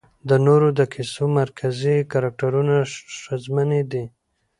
د نورو د کيسو مرکزي کرکټرونه ښځمنې دي